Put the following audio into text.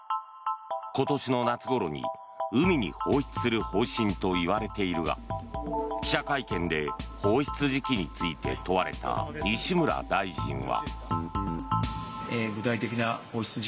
今年の夏ごろに海に放出する方針といわれているが記者会見で放出時期について問われた西村大臣は。